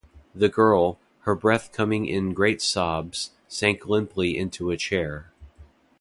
The girl, her breath coming in great sobs, sank limply into a chair.